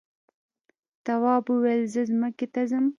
تواب وویل زه ځمکې ته ځم.